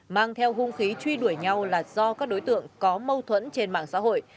mang theo hung khí truy đuổi nhau là do các đối tượng có mâu thuẫn trên mạng xã hội